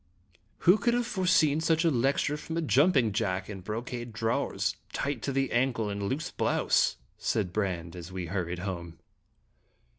"Who could have foreseen such a lecture from a jumping jack in brocade drawers, tight to the ankle, and a loose blouse?" said Brande, as we hurried home.